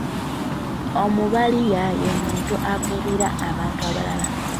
Omubaliya ye muntu avubira abantu abalala.